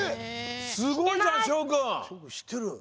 すごいじゃんしょうくん。